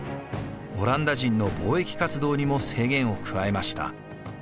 オランダ人の貿易活動にも制限を加えました。